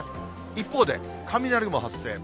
一方で、雷雲発生。